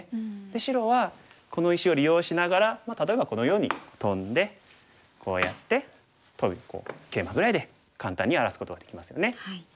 で白はこの石を利用しながら例えばこのようにトンでこうやってトビにケイマぐらいで簡単に荒らすことができますよね。